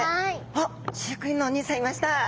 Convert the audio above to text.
あっ飼育員のおにいさんいました。